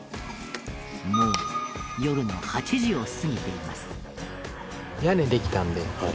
もう夜の８時を過ぎています。